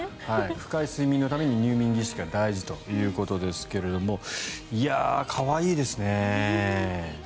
深い睡眠のために入眠儀式は大事ということですが可愛いですね。